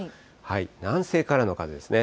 南西からの風ですね。